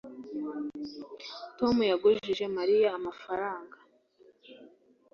tom yagujije mariya amafaranga